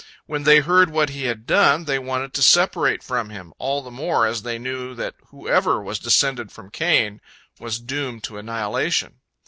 When they heard what he had done, they wanted to separate from him, all the more as they knew that whoever was descended from Cain was doomed to annihilation.